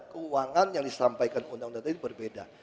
keuangan yang disampaikan undang undang tadi berbeda